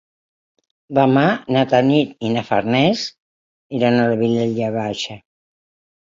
Demà na Tanit i na Farners iran a la Vilella Baixa.